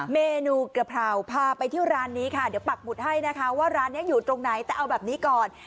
เมนูกระเพราพาไปที่ร้านนี้ค่ะเดี๋ยวปักหุดให้นะคะว่าร้านนี้อยู่ตรงไหนแต่เอาแบบนี้ก่อน